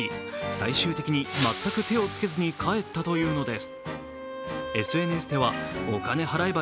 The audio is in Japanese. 最終的に、全く手をつけずに帰ったというのです。